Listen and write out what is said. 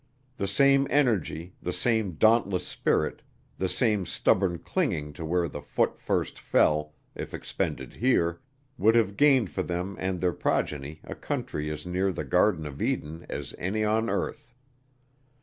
The same energy, the same dauntless spirit, the same stubborn clinging to where the foot first fell, if expended here, would have gained for them and their progeny a country as near the Garden of Eden as any on earth.